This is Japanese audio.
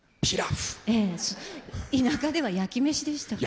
田舎では焼き飯でしたから。